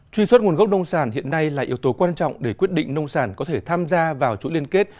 truy xuất nguồn gốc nông sản hiện nay là yếu tố quan trọng để quyết định nông sản có thể tham gia vào chuỗi liên kết